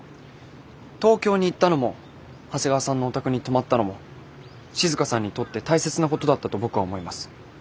東京に行ったのも長谷川さんのお宅に泊まったのも静さんにとって大切なことだったと僕は思います。